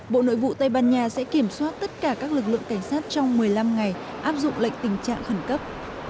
bộ nội vụ tây ban nha sẽ kiểm soát tất cả các lực lượng cảnh sát trong một mươi năm ngày áp dụng lệnh tình trạng khẩn cấp